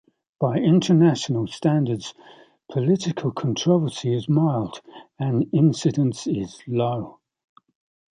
By international standards, political controversy is mild and incidence is low.